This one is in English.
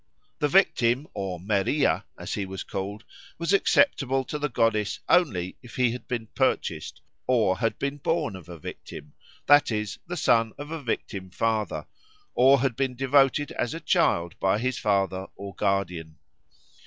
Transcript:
The victim or Meriah, as he was called, was acceptable to the goddess only if he had been purchased, or had been born a victim that is, the son of a victim father, or had been devoted as a child by his father or guardian.